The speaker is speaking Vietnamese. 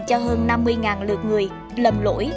cho hơn năm mươi lượt người lầm lỗi